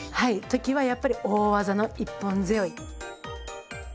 時はやっぱり大技の一本背負。